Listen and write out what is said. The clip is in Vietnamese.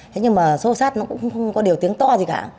thế nhưng mà xô xát nó cũng không có điều tiếng to gì cả